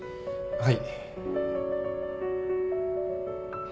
はい。